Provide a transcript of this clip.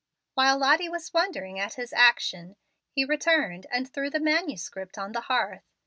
While Lottie was wondering at his action, he returned and threw the manuscript on the hearth.